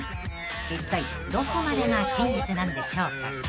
［いったいどこまでが真実なんでしょうか］